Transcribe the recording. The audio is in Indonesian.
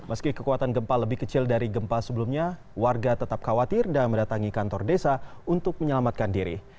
meski kekuatan gempa lebih kecil dari gempa sebelumnya warga tetap khawatir dan mendatangi kantor desa untuk menyelamatkan diri